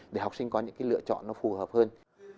để học sinh có những cái lựa chọn nó phù hợp hơn